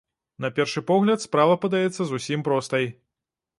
На першы погляд, справа падаецца зусім простай.